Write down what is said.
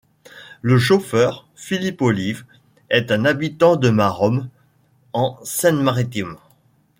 Le chauffeur, Philippe Olive, est un habitant de Maromme, en Seine-Maritime.